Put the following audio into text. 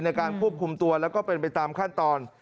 ในการควบคุมตัวแล้วก็เป็นไปตามขั้นตอน